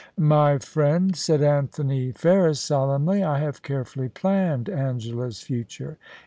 My friend,* said Anthony Ferris, solemnly. ' I have carefully planned Angela's future.